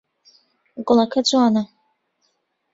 گوڵەکە جوانە.